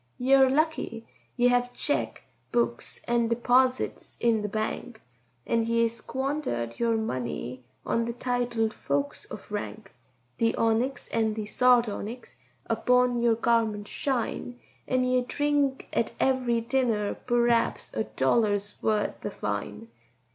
"Ye are lucky—ye hev cheque books and deeposits in the bank, And ye squanderate your money on the titled folks of rank; The onyx and the sardonyx upon your garments shine, An' ye drink at every dinner p'r'aps a dollar's wuth of wine.